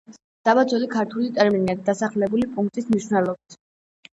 დაბა ძველი ქართული ტერმინია დასახლებული პუნქტის მნიშვნელობით.